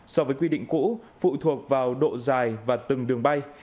so với quy định cũ phụ thuộc vào độ dài và từng đường bay